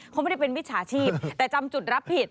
เขาไม่ได้เป็นมิจฉาชีพแต่จำจุดรับผิด